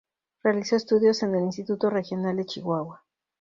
Realizó estudios en el Instituto Regional de Chihuahua.